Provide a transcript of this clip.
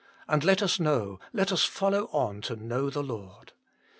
And let us know, let us follow on to know the Lord.